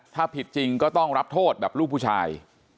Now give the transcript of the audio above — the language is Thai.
ถ้าผิดจริงก็ต้องรับโทษแบบลูกผู้ชาย